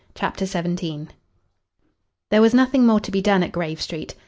CHAPTER XVII There was nothing more to be done at Grave Street.